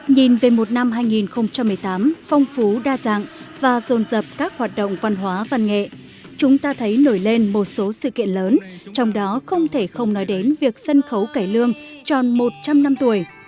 nhìn về một năm hai nghìn một mươi tám phong phú đa dạng và rồn rập các hoạt động văn hóa văn nghệ chúng ta thấy nổi lên một số sự kiện lớn trong đó không thể không nói đến việc sân khấu cải lương tròn một trăm linh năm tuổi